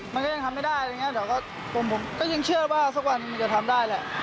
มันก็ยังทำไม่ได้แต่ผมก็ยังเชื่อว่าสักวันนี้จะทำได้แหละ